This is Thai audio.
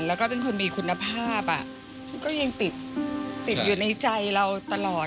แล้วก็เป็นคนมีคุณภาพก็ยังติดอยู่ในใจเราตลอด